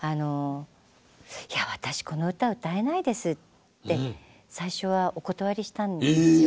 「いや私この歌を歌えないです」って最初はお断りしたんですよ。